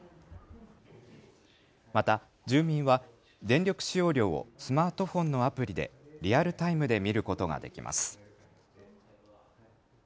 また住民は電力使用量をスマートフォンのアプリでリアルタイムで見ることができます。